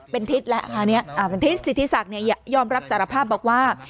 เป็นทิศแล้วทิศศิษฐีศักดิ์ยอมรับสารภาพบอกว่า